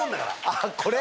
あっこれ？